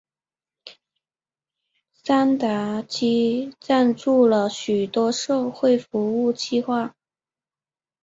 山达基赞助了多种社会服务计画。